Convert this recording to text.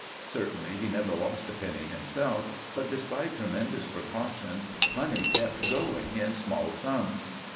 Certainly he never lost a penny himself. But, despite tremendous precautions, money kept going in small sums.